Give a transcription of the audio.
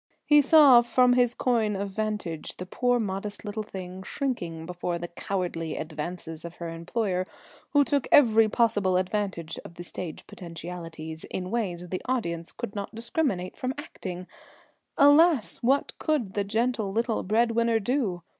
He saw from his coign of vantage the poor modest little thing shrinking before the cowardly advances of her employer, who took every possible advantage of the stage potentialities, in ways the audience could not discriminate from the acting. Alas! what could the gentle little bread winner do?